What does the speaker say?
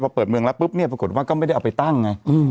พอเปิดเมืองแล้วปุ๊บเนี่ยปรากฏว่าก็ไม่ได้เอาไปตั้งไง